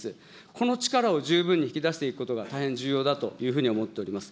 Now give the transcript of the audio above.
この力を十分に引き出していくことが大変重要だというふうに思っております。